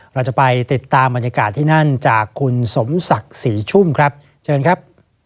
เราจะไปติดตามบรรยากาศที่นั่นจากคุณสมศักดิ์ศรีชุ่มครับเชิญครับ